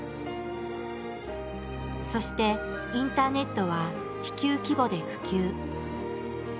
そしてインターネットは地球規模で普及。